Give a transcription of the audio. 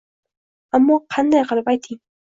Ammo qanday qilib ayting?